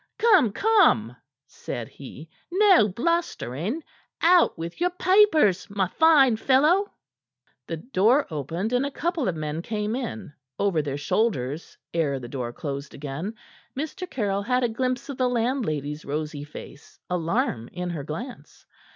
"Come, come!" said he. "No blustering. Out with your papers, my fine fellow." The door opened, and a couple of men came in; over their shoulders, ere the door closed again, Mr. Caryll had a glimpse of the landlady's rosy face, alarm in her glance.